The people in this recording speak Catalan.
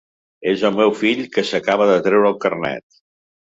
És el meu fill que s'acaba de treure el carnet.